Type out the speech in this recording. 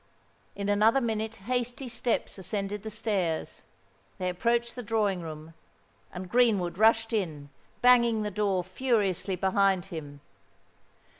In another minute hasty steps ascended the stairs—they approached the drawing room—and Greenwood rushed in, banging the door furiously behind him.